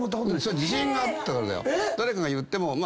自信があったからだよ。